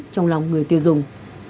trong lòng người tiêu dùng